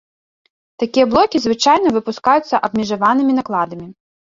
Такія блокі звычайна выпускаюцца абмежаванымі накладамі.